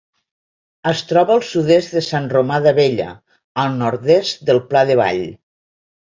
Es troba al sud-est de Sant Romà d'Abella, al nord-est del Pla de Vall.